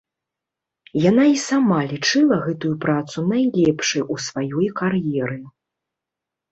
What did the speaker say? Яна і сама лічыла гэтую працу найлепшай у сваёй кар'еры.